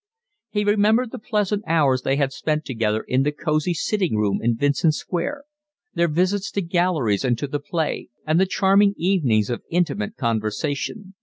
He remembered the pleasant hours they had spent together in the cosy sitting room in Vincent Square, their visits to galleries and to the play, and the charming evenings of intimate conversation.